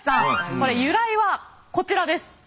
これ由来はこちらです。